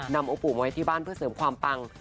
องค์ปู่มาไว้ที่บ้านเพื่อเสริมความปัง